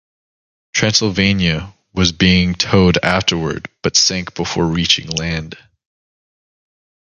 "Transylvania" was being towed afterward but sank before reaching land.